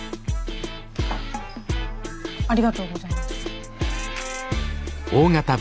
ありがとうございます。